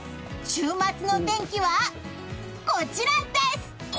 週末の天気はこちらです！